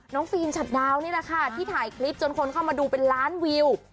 ฟิล์มชัดดาวนี่แหละค่ะที่ถ่ายคลิปจนคนเข้ามาดูเป็นล้านวิว